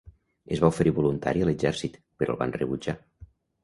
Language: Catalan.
Es va oferir voluntari a l'exèrcit, però el van rebutjar.